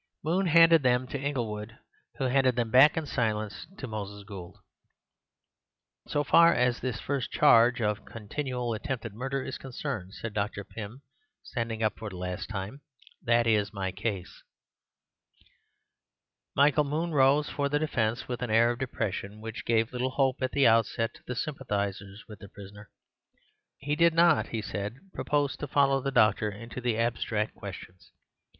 Moon handed them to Inglewood, who handed them back in silence to Moses Gould. "So far as this first charge of continual attempted murder is concerned," said Dr. Pym, standing up for the last time, "that is my case." Michael Moon rose for the defence with an air of depression which gave little hope at the outset to the sympathizers with the prisoner. He did not, he said, propose to follow the doctor into the abstract questions.